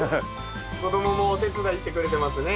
子供もお手伝いしてくれてますね。